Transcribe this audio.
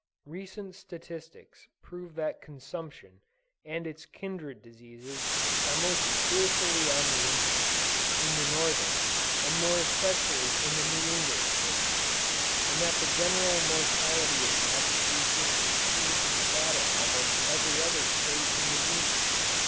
Recent statistics prove that consumption and its kindred diseases are most fearfully on the increase, in the Northern, and more especially in the New England States; and that the general mortality of Massachusetts exceeds that of almost every other state in the Union.